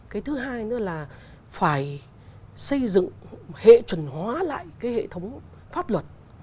cái thứ hai nữa là phải xây dựng hệ chuẩn hóa lại cái hệ thống pháp luật